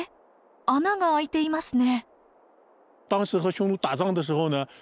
穴が開いていますね。